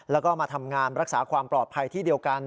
แล้วก็มาทำงานรักษาความปลอดภัยที่เดียวกัน